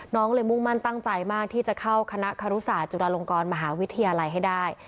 น้องเลยมุ่งมั่นตั้งใจมากที่จะเข้าคณะคารุศาสตุลาลงกรมหาวิทยาลัยให้ได้